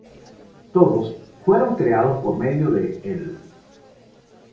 Todos fueron creados por medio de Él.